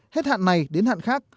hết hạn này đến hạn khác